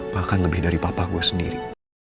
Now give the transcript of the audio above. bahkan lebih dari papa gue sendiri